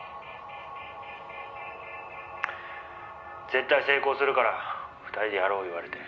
「絶対成功するから２人でやろう言われて」